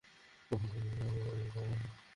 সেটার জন্য মৃত্যু হতে পারেনা।